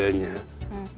bagaimana cara keluarganya